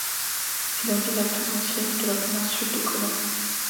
C'est la ville la plus ancienne de la péninsule de Kola.